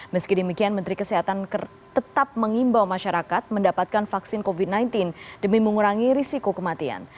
meski demikian menteri kesehatan tetap mengimbau masyarakat mendapatkan vaksin covid sembilan belas demi mengurangi risiko kematian